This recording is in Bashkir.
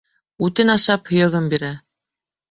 - Үтен ашап, һөйәген бирә.